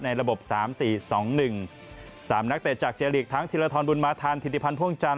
ในระบบสามสี่สองหนึ่งสามนักเต็ดจากเจริกทั้งธีรฐรบุณมาทันถิ่นทิพันธ์พ่วงจาน